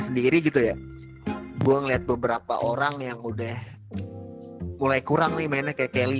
sendiri gitu ya gua ngelihat beberapa orang yang udah mulai kurang lima ini kayak kelly